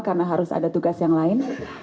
karena harus ada tugas yang lain